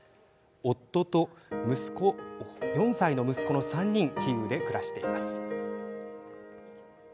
夫と４歳の息子の３人キーウで暮らしています。